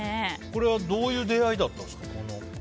これはどういう出会いだったんですか？